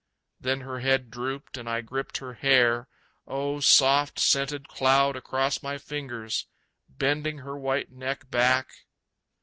Then her head drooped and I gripped her hair, Oh soft, scented cloud across my fingers! Bending her white neck back....